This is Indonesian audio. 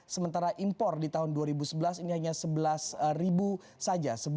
sementara impor di tahun dua ribu sebelas ini hanya sebelas ribu saja